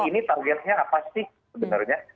ini targetnya apa sih sebenarnya